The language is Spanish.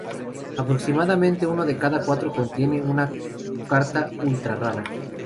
Aproximadamente uno de cada cuatro contiene contiene una carta ultra rara.